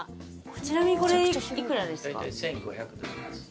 ちなみにこれ幾らですか？